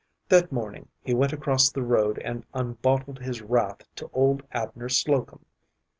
That morning he went across the road and unbottled his wrath to old Abner Slocum.